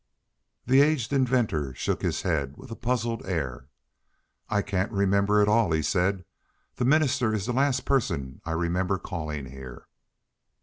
The aged inventor shook his head, with a puzzled air. "I can't remember it at all," he said. "The minister is the last person I remember calling here."